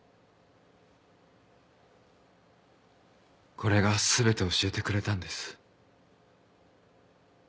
これが全て教えてくれたんです。